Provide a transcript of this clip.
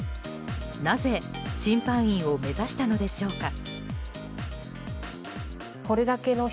なぜ審判員を目指したのでしょうか。